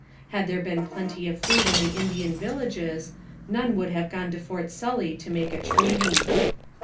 Had there been plenty of food in the In dian villages, none would have gone to Fort Sully to make a treaty.